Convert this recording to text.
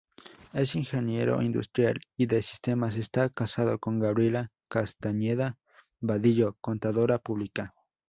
Es Ingeniero Industrial y de Sistemas, esta casado con Gabriela Castañeda Badillo, Contadora Pública.